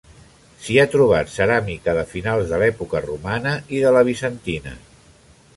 S'hi ha trobat ceràmica de finals de l'època romana i de la bizantina.